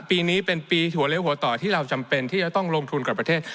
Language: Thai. ปีนี้เป็นปีหัวเลี้ยหัวต่อที่เราจำเป็นที่จะต้องลงทุนกับประเทศ